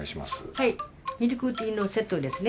はいミルクティーのセットですね。